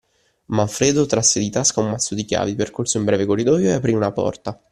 Manfredo trasse di tasca un mazzo di chiavi, percorse un breve corridoio e aprì una porta.